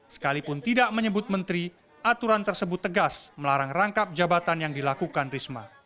sekalipun tidak menyebut menteri aturan tersebut tegas melarang rangkap jabatan yang dilakukan risma